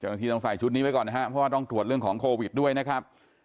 ต้องใส่ชุดนี้ไว้ก่อนนะครับเพราะว่าต้องตรวจเรื่องของโควิดด้วยนะครับ